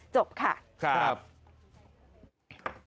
จบค่ะขอบคุณครับค่ะค่ะ